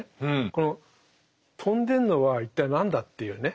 この飛んでるのは一体何だ？っていうね。